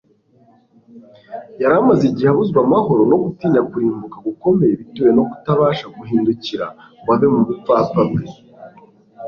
yari amaze igihe abuzwa amahoro no gutinya kurimbuka gukomeye bitewe no kutabasha guhindukira ngo ave mu bupfapfa bwe